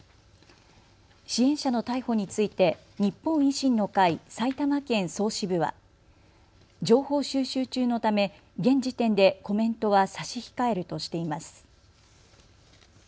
支援者の逮捕について日本維新の会埼玉県総支部は情報収集中のため現時点でコメントは差し控えるとしています。